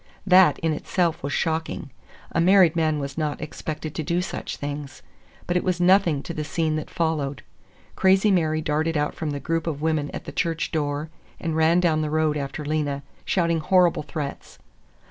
That, in itself, was shocking; a married man was not expected to do such things. But it was nothing to the scene that followed. Crazy Mary darted out from the group of women at the church door, and ran down the road after Lena, shouting horrible threats.